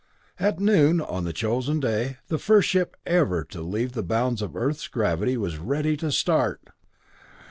At noon on the day chosen, the first ship ever to leave the bounds of the Earth's gravity was ready to start!